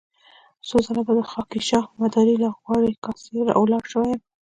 څو ځله به د خاکيشاه مداري له غوړې کاسې را ولاړ شوی يم.